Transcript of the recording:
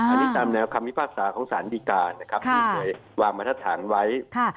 อันนี้ตามแนวความวิภาษณ์สารของสถานการณ์นะครับปืนสวยวางมาทักทางไว้